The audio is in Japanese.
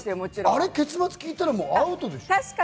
あれ、結末聞いたらアウトでしょ？